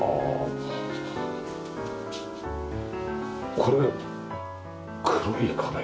これ黒い壁。